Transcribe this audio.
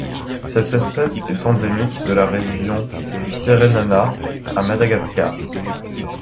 Cette espèce est endémique de la région de Fierenana à Madagascar.